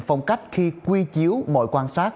phong cách khi quy chiếu mọi quan sát